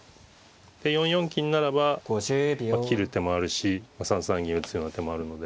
４四金ならば切る手もあるし３三銀打つような手もあるので。